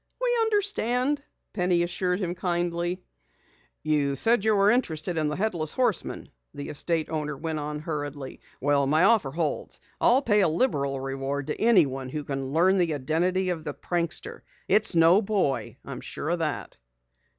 "We understand," Penny assured him kindly. "You said you were interested in the Headless Horseman," the estate owner went on hurriedly. "Well, my offer holds. I'll pay a liberal reward to anyone who can learn the identity of the prankster. It's no boy. I'm sure of that."